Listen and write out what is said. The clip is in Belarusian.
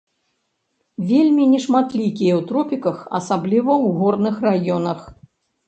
Вельмі нешматлікая ў тропіках, асабліва ў горных раёнах.